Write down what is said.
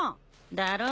だろ？